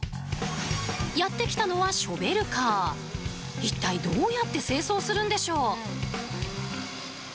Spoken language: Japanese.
やって来たのは一体どうやって清掃するんでしょう？